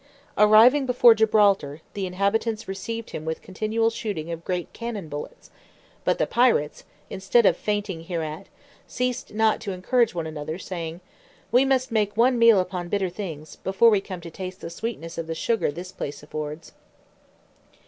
Arriving before Gibraltar, the inhabitants received him with continual shooting of great cannon bullets; but the pirates, instead of fainting hereat, ceased not to encourage one another, saying, "We must make one meal upon bitter things, before we come to taste the sweetness of the sugar this place affords."